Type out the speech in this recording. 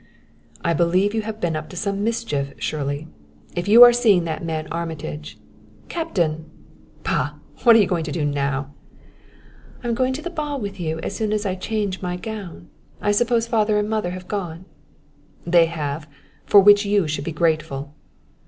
"I believe you have been up to some mischief, Shirley. If you are seeing that man Armitage " "Captain!" "Bah! What are you going to do now?" "I'm going to the ball with you as soon as I can change my gown. I suppose father and mother have gone." "They have for which you should be grateful!"